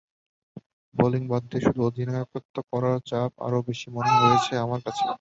Bowling বাদ দিয়ে শুধু অধিনায়কত্ব করার চাপ আরও বেশি মনে হয়েছে আমার কাছে।